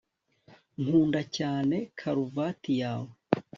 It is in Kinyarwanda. nkunda cyane karuvati yawe